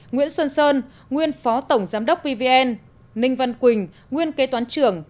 nguyễn xuân sơn nguyên phó tổng giám đốc pvn ninh văn quỳnh nguyên kế toán trưởng